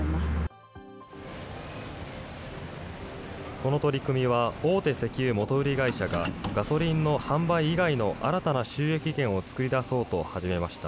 この取り組みは、大手石油元売り会社がガソリンの販売以外の新たな収益源を作り出そうと始めました。